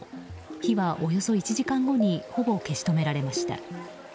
火はおよそ１時間後にほぼ消し止められました。